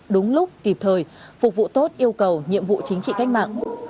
đúng lúc kịp thời phục vụ tốt yêu cầu nhiệm vụ chính trị cách mạng